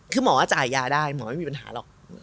คือหมอจ่ายยาได้หมอไม่มีปัญหาหรอก